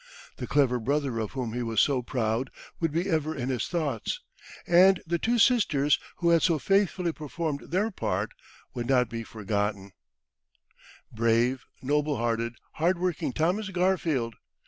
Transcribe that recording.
The clever brother of whom he was so proud would be ever in his thoughts, and the two sisters who had so faithfully performed their part would not be forgotten. [Illustration: An American Farmstead.] Brave, noble hearted, hard working Thomas Garfield!